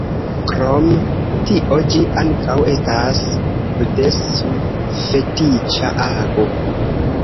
Krom tio ĝi ankaŭ estas bdsm-fetiĉa ago.